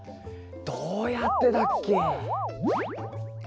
どうやってたっけ。